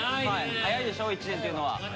早いでしょ一年っていうのは。